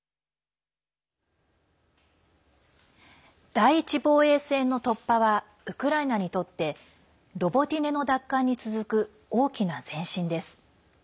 第１防衛線の突破はウクライナにとってロボティネの奪還に続く大きな前進です。